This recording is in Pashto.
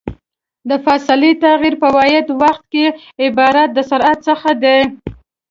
د فاصلې تغير په واحد وخت کې عبارت د سرعت څخه ده.